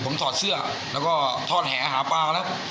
ผมถอดเสื้อแล้วก็ทอดแหหาปลาแล้ว